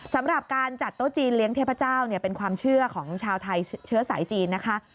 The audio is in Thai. สำหรับการจัดโต๊ะจีนเลี้ยงเทพเจ้าเป็นความเชื่อของชาวไทยเชื้อสายจีนนะคะ